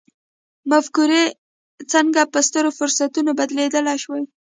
مفکورې څنګه په سترو فرصتونو بدلې شوې دي.